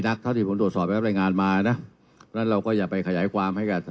เท่าที่ผมตรวจสอบได้รับรายงานมานะแล้วเราก็อย่าไปขยายความให้กับ